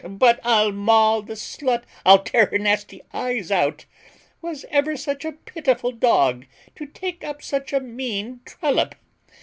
but I'll maul the slut, I'll tear her nasty eyes out! Was ever such a pitiful dog, to take up with such a mean trollop?